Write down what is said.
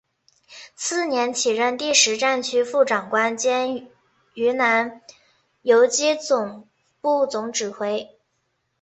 次年起任第十战区副长官兼豫南游击总部总指挥。